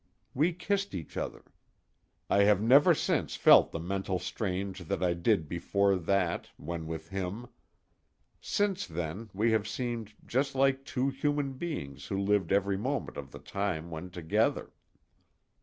We kissed each other. I have never since felt the mental strain that I did before that, when with him. Since then, we have seemed just like two human beings who lived every moment of the time when together.